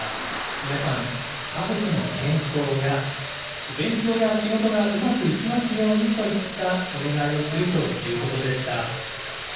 皆さん、家族の健康や勉強や仕事がうまくいきますようにといったお願いをするということでした。